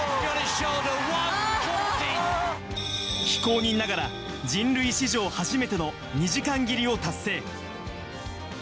非公認ながら人類史上初めての２時間切りを達成。